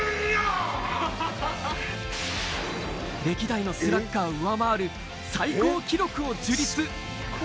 歴代のスラッガーを上回る最高記録を樹立。